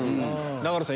永野さん